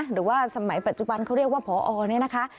หรือว่าสมัยปัจจุบันเขาเรียกว่าพอเนี่ยนะคะ